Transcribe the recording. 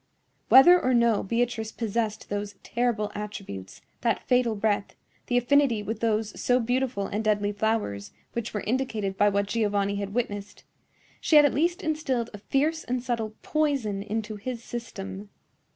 Whether or no Beatrice possessed those terrible attributes, that fatal breath, the affinity with those so beautiful and deadly flowers which were indicated by what Giovanni had witnessed, she had at least instilled a fierce and subtle poison into his system.